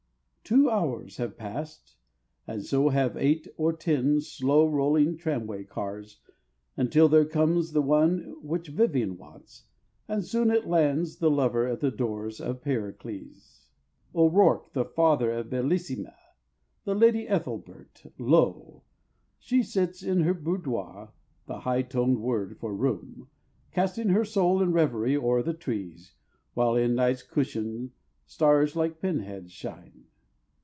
Two hours have passed, and so have eight or ten Slow rolling tramway cars, until there comes The one which Vivian wants, and soon it lands The lover at the door of Pericles O'Rourke, the father of bellissima, The Lady Ethelberta. Lo, she sits In her boudoir (the high toned word for "room"), Casting her soul in reverie o'er the trees, While in Night's cushion stars like pin heads shine.